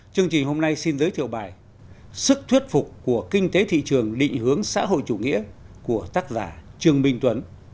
chương trình hôm nay xin giới thiệu bài sức thuyết phục của kinh tế thị trường định hướng xã hội chủ nghĩa của tác giả trương minh tuấn